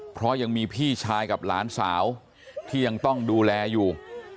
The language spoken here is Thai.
เพราะยังมีพี่ชายกับหลานสาวที่ยังต้องดูแลอยู่